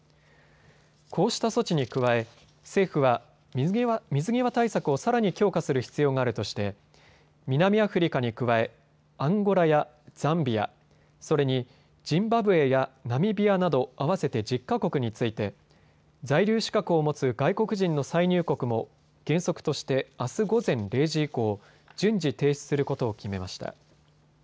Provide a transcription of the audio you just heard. こうした措置に加え政府は水際対策をさらに強化する必要があるとして南アフリカに加えアンゴラやザンビア、それに、ジンバブエやナミビアなど合わせて１０か国について在留資格を持つ外国人の再入国も原則としてあす午前０時以降、順次、停止することを決めました。